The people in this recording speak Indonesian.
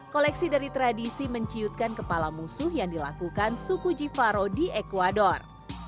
koleksi dari tradisi menciutkan kepala musuh yang dilakukan suku jifaro di ecuador